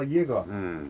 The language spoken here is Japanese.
うん。